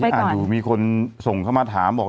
อ่านอยู่มีคนส่งเข้ามาถามบอก